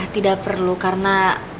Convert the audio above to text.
tidak perlu karena